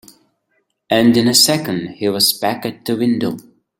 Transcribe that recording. And in a second he was back at the window.